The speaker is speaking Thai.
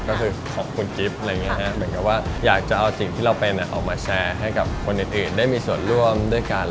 ก็คือของคุณกิฟต์แบบว่าอยากจะเอาสิ่งที่เราเป็นออกมาแชร์ให้กับคนอื่นได้มีส่วนร่วมด้วยกัน